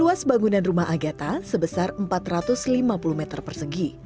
luas bangunan rumah agatha sebesar empat ratus lima puluh meter persegi